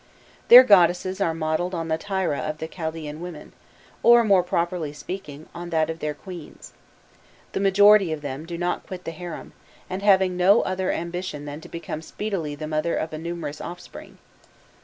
Their goddesses are modelled on the tyra of the Chaldaen women, or, more properly speaking, on that of their queens. The majority of them do not quit the harem, and have no other ambition than to become speedily the mother of a numerous offspring.